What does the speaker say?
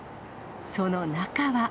その中は。